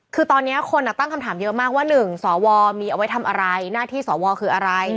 คือตอนนี้คนตั้งคำถามเยอะมากว่า๑สวมีเอาไว้ทำอะไรหน้าที่สวคืออะไร